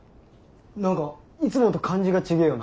何かいつもと感じが違えよな。